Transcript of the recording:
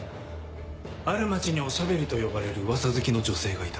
ある町に「おしゃべり」と呼ばれるうわさ好きの女性がいた。